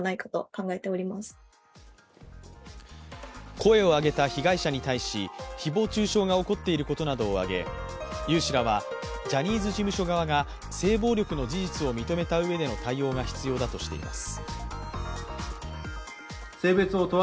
声を上げた被害者に対し、誹謗中傷が起こっていることなどを挙げ有志らはジャニーズ事務所側が性暴力の事実を認めたうえでの対応が必要だとしています。